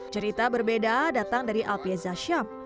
cerita berbeda datang dari alfie zasyam